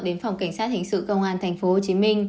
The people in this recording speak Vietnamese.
đến phòng cảnh sát hình sự công an tp hcm